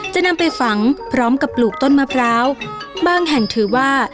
จะนำไปฝังพร้อมกับปลูกต้นมะพร้าวบางแห่งถือว่า